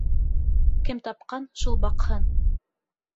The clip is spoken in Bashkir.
Кем тапҡан, шул баҡһын.